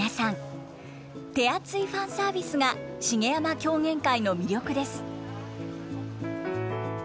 手厚いファンサービスが茂山狂言会の魅力です。